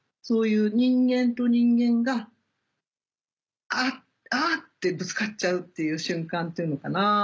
そういう人間と人間があ！ってぶつかっちゃうっていう瞬間っていうのかな。